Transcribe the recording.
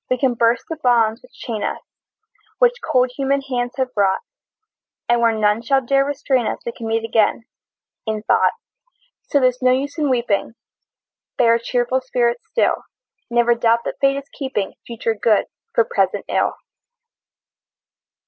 We can burst the bonds which chain us, Which cold human hands have wrought, And where none shall dare restrain us We can meet again, in thought. So there's no use in weeping, Bear a cheerful spirit still; Never doubt that Fate is keeping Future good for present ill!